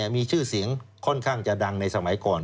มีชื่อเสียงค่อนข้างจะดังในสมัยก่อน